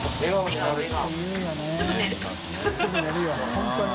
本当に。